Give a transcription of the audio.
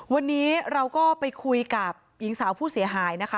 วันนี้เราก็ไปคุยกับหญิงสาวผู้เสียหายนะคะ